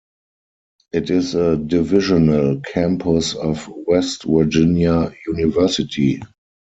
It is a divisional campus of West Virginia University.